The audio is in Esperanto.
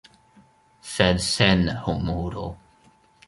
Sed sen humuro.